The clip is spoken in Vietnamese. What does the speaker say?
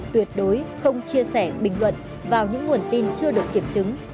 tuyệt đối không chia sẻ bình luận vào những nguồn tin chưa được kiểm chứng